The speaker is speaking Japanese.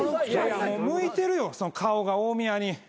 向いてるよ顔が大宮に。